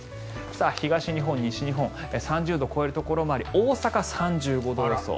東日本、西日本３０度を超えるところがあり大阪、３５度予想